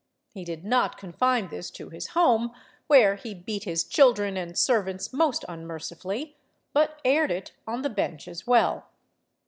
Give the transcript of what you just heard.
He did not confine this to his home where he beat his children and servants most unmercifully but aired it on the bench as well.